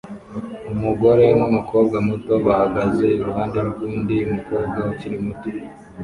Umugore numukobwa muto bahagaze iruhande rwundi mukobwa ukiri muto